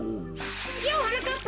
ようはなかっぱ！